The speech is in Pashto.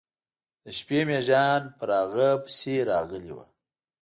د شپې میږیان پر هغه پسې راغلي و.